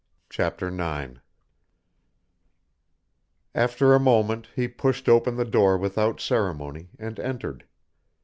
Chapter Nine After a moment he pushed open the door without ceremony, and entered.